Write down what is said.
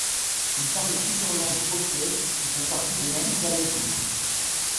Ils parlent plusieurs langues okiek qui font partie des langues kalenjin.